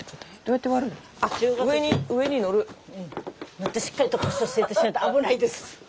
のってしっかりと腰を据えてしないと危ないです。